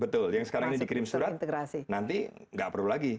betul yang sekarang ini dikirim surat nanti nggak perlu lagi